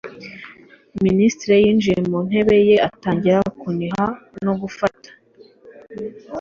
minisitiri yinjiye mu ntebe ye atangira kuniha no gufata